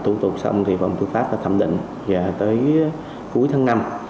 sau khi lập tủ tục xong thì bằng tư pháp đã thẩm định và tới cuối tháng năm